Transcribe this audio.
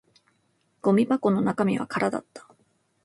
ゴミ箱の中身は空だった